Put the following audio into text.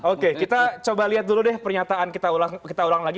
oke kita coba lihat dulu deh pernyataan kita ulang lagi